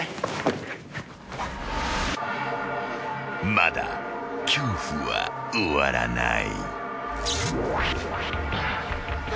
［まだ恐怖は終わらない］